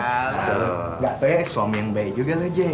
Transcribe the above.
gak tau ya suami yang baik juga jay